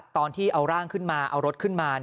ตอนที่เอาร่างขึ้นมาเอารถขึ้นมา